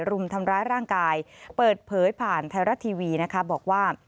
รุมทำร้ายร่างกายเปิดเผยผ่านไทยรัฐทีวีนะคะบอกว่า